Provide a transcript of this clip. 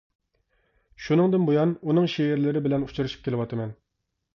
شۇنىڭ بۇيان ئۇنىڭ شېئىرلىرى بىلەن ئۇچرىشىپ كېلىۋاتىمەن.